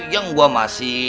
yang gua masih